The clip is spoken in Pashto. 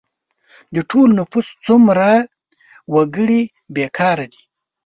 د ټول نفوس څومره وګړي بې کاره دي؟